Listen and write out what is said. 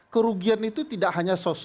kerugian itu tidak hanya